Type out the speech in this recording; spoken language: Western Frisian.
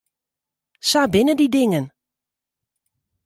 Sa binne dy dingen.